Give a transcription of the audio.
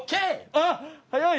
あっ早い！